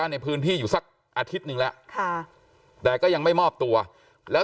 ในพื้นที่อยู่สักอาทิตย์หนึ่งแล้วค่ะแต่ก็ยังไม่มอบตัวแล้ว